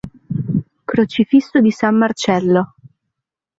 Crocifisso di San Marcello.